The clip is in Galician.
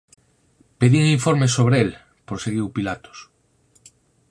Pedín informes sobre el −proseguiu Pilatos−.